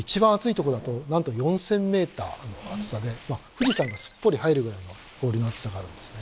富士山がすっぽり入るぐらいの氷の厚さがあるんですね。